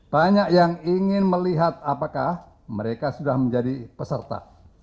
banyak yang ingin melihat apakah mereka sudah menjadi peserta